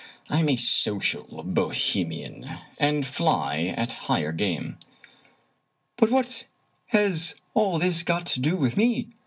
I am a social Bohemian, and fly at higher game." "But what has all this got to do with me?"